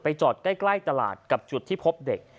จอดใกล้ตลาดกับจุดที่พบเด็ก